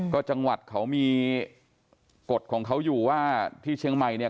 ก็จังหวัดเขามีกฎของเขาอยู่ว่าที่เชียงใหม่เนี่ย